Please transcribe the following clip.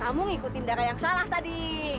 kamu ngikutin darah yang salah tadi